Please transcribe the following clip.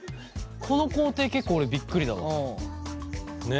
この工程結構俺びっくりだわ。ね！